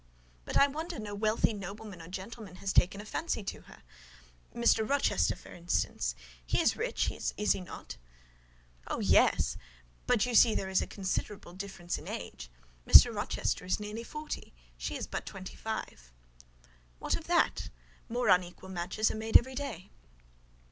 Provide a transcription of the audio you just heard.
"But I wonder no wealthy nobleman or gentleman has taken a fancy to her: Mr. Rochester, for instance. He is rich, is he not?" "Oh! yes. But you see there is a considerable difference in age: Mr. Rochester is nearly forty; she is but twenty five." "What of that? More unequal matches are made every day."